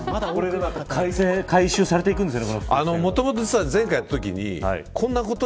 回収されていくんですよね。